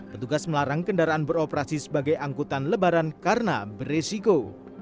petugas melarang kendaraan beroperasi sebagai angkutan lebaran karena beresiko